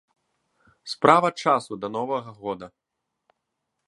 Справа часу да новага года.